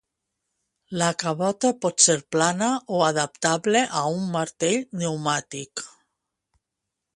La cabota pot ser plana o adaptable a un martell pneumàtic.